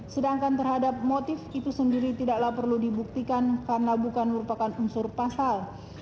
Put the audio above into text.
sedangkan terhadap motif itu sendiri tidaklah perlu dibuktikan karena bukan merupakan unsur pasal